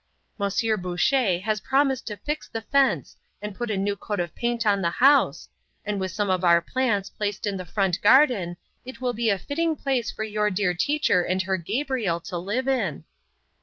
Monsieur Bouché has promised to fix the fence and put a new coat of paint on the house, and with some of our plants placed in the front garden, it will be a fitting place for your dear teacher and her Gabriel to live in."